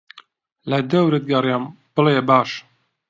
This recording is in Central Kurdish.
لەدەورت گەڕێم بڵێ باش